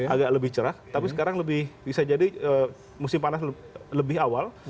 agak lebih cerah tapi sekarang lebih bisa jadi musim panas lebih awal